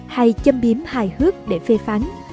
hay châm biếm hài hước để phê phán